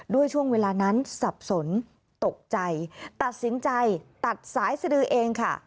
ด้วยช่วงเวลานั้นสับสนตกใจตัดสินใจตัดสายสดือเองค่ะ